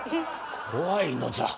怖いのじゃ。